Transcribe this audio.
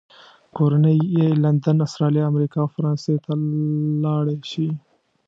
کورنۍ یې لندن، استرالیا، امریکا او فرانسې ته لاړې شي.